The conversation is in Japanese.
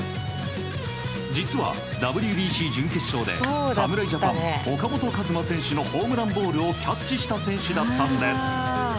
実はＷＢＣ準決勝で侍ジャパン岡本和真選手のホームランボールをキャッチした選手だったんです。